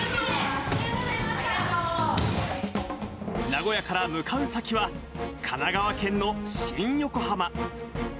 名古屋から向かう先は、神奈川県の新横浜。